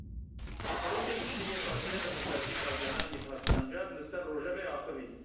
Hevserokê Giştî yê Partiya Demokratîk a Gelan Mîthat Sancar li ser rojevê axivî.